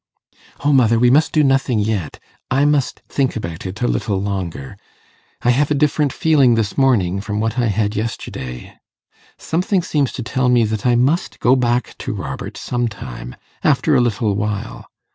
'O, mother, we must do nothing yet; I must think about it a little longer. I have a different feeling this morning from what I had yesterday. Something seems to tell me that I must go back to Robert some time after a little while.